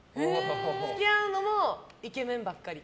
付き合うのもイケメンばっかり。